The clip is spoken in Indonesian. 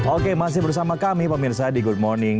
oke masih bersama kami pemirsa di good morning